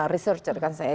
researcher kan saya